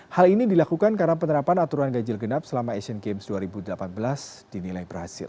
hal ini dilakukan karena penerapan aturan ganjil genap selama asian games dua ribu delapan belas dinilai berhasil